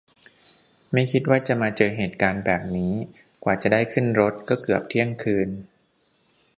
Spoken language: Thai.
ไม่คิดว่าจะมาเจอเหตุการณ์แบบนี้ กว่าจะได้ขึ้นรถก็เกือบเที่ยงคืน